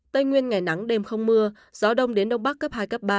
tây nguyên ngày nắng đêm không mưa gió đông đến đông bắc cấp hai cấp ba